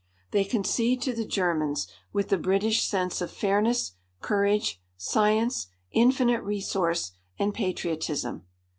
They concede to the Germans, with the British sense of fairness, courage, science, infinite resource and patriotism.